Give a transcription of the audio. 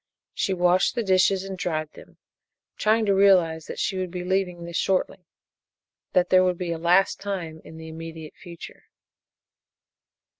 She washed the dishes and dried them, trying to realize that she would be leaving this shortly that there would be a last time in the immediate future.